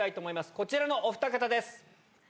こちらのお二方です。